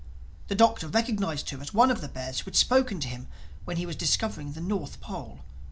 The Doctor recognized her as one of the bears who had spoken to him when he was discovering the North Pole.